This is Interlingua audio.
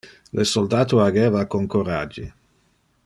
Le soldato ageva con corage.